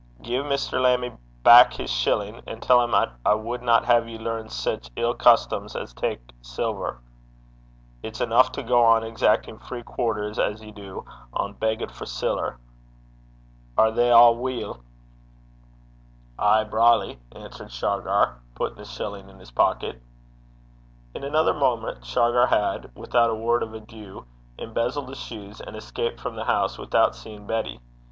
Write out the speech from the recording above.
'Gie Mr. Lammie back his shillin', an' tell 'im 'at I wadna hae ye learn sic ill customs as tak siller. It's eneuch to gang sornin' upon 'im (exacting free quarters) as ye du, ohn beggit for siller. Are they a' weel?' 'Ay, brawly,' answered Shargar, putting the shilling in his pocket. In another moment Shargar had, without a word of adieu, embezzled the shoes, and escaped from the house without seeing Betty.